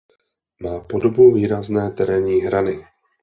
Má podobu výrazné terénní hrany.